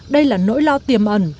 đây là nỗi lo tiềm ẩn